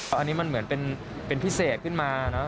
อันนี้มันเหมือนเป็นพิเศษขึ้นมาเนอะ